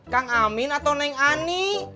kang amin atau neng ani